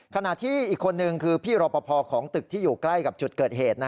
ขณะที่อีกคนนึงคือพี่รอปภของตึกที่อยู่ใกล้กับจุดเกิดเหตุ